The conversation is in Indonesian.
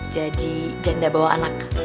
jadi janda bawa anak